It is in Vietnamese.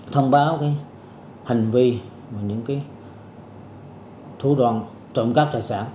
thông báo hành vi và những thủ đoàn trộm cắp thải sản